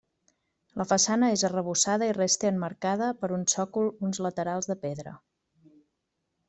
La façana és arrebossada i resta emmarcada per un sòcol uns laterals de pedra.